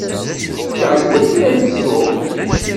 Cikkeɣ yella kra ay ttuɣ.